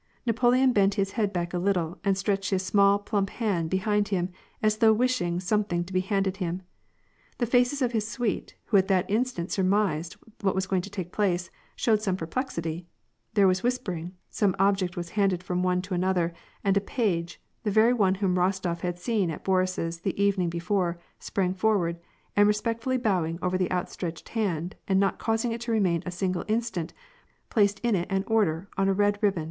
Napoleon bent his head back a little, and stretched his small, plump hand behind him, as though wishing some> thing to be handed him. The faces of his suite, who at that instant surmised what was going to take place, showed some perplexity ; there was whispering, some object was handed from one to another, and a page, the very one whom Eostof had seen at Boris's the evening before, sprang forward, and re spectfully bowing over the outstretched hand, and not causing it to remain a single instant, placed in it an order, on a red ribbon.